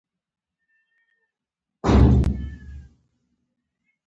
له بلې خوا طالب او جګړه ده چې تمویل یې ډېرې پيسې غواړي.